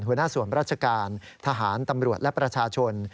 หัวหน้าส่วนราชการทหารตำรวจและประชาชน